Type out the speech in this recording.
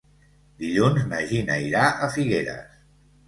Dilluns na Gina irà a Figueres.